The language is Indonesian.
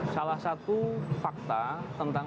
salah satu fakta